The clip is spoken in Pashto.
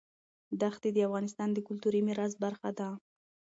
دښتې د افغانستان د کلتوري میراث برخه ده.